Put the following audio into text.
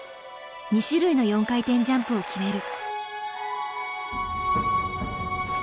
２種類の４回転ジャンプを決める。